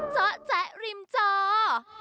เจ้าแจ๊กริมเจ้า